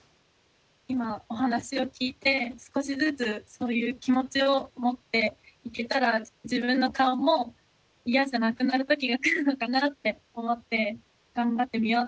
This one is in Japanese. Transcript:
今お話を聞いて少しずつそういう気持ちを持っていけたら自分の顔も嫌じゃなくなる時が来るのかなって思って頑張ってみようと思いました。